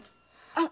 あっ！